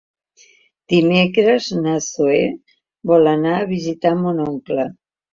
Dimecres na Zoè vol anar a visitar mon oncle.